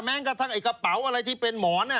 แม้งกระเป๋าอะไรที่เป็นหมอน